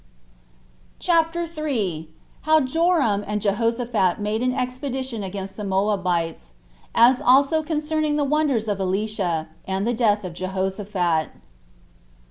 CHAPTER 3. How Joram And Jehoshaphat Made An Expedition Against The Moabites; As Also Concerning The Wonders Of Elisha; And The Death Of Jehoshaphat.